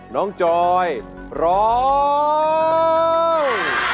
น้องจอยร้อง